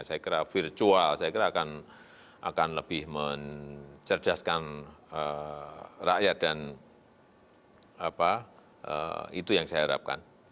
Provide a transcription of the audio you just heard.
saya kira virtual saya kira akan lebih mencerdaskan rakyat dan itu yang saya harapkan